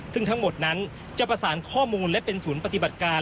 ซึ่งทั้งหมดนั้นจะประสานข้อมูลและเป็นศูนย์ปฏิบัติการ